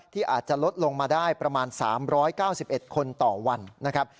ที่อาจจะลดลงมาได้ประมาณ๓๙๑คนต่อวันนะครับ